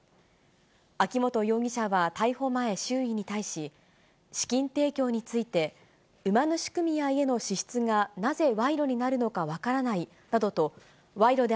秋本容疑者は逮捕前、周囲に対し、資金提供について、馬主組合への支出がなぜ賄賂になるのか分からないなどと、賄賂で